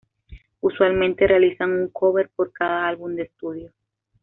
Usualmente realizan un cover por cada álbum de estudio.